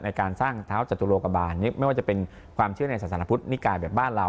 ในการสร้างเท้าจตุโลกบาลไม่ว่าจะเป็นความเชื่อในสถานพุทธนิกายแบบบ้านเรา